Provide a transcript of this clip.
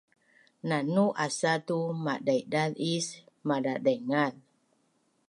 Nanu asa tu madaidazis madadaingaz